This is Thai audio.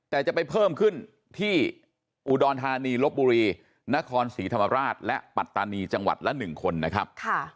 แต่จะไปเพิ่มขึ้นที่อุดรธานีลบบุรีนครศรีธรรมราชและปัตตานีจังหวัดละ๑คนนะครับ